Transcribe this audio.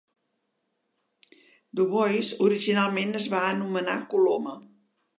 Du Bois originalment es va anomenar Coloma.